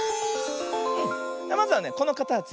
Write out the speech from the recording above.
まずはねこのかたち